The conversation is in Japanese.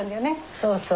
そうそう。